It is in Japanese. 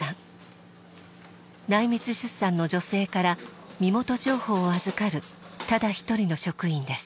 内密出産の女性から身元情報を預かるただ一人の職員です。